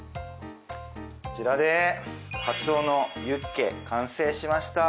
こちらでカツオのユッケ完成しました！